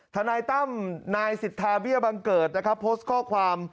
ทนายตั้มนายสิทธาเบี้ยบังเกิดนะครับโพสต์ข้อความ